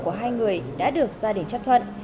của hai người đã được gia đình chấp thuận